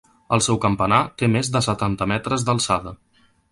El seu campanar té més de setanta metres d'alçada.